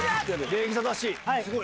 礼儀正しい。